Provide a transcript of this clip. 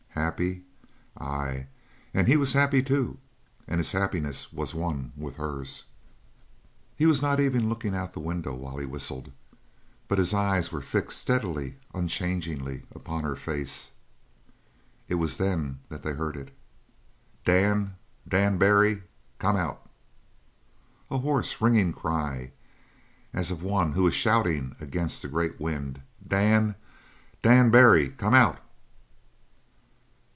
Happy? Ay, and he was happy too, and his happiness was one with hers. He was not even looking out the window while he whistled, but his eyes were fixed steadily, unchangingly, upon her face. It was then that they heard it: "Dan! Dan Barry! Come out!" A hoarse, ringing cry, as of one who is shouting against a great wind: "Dan! Dan Barry! Come out!"